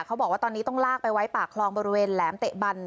เขาบอกว่าตอนนี้ต้องลากไปไว้ปากคลองบริเวณแหลมเตะบัน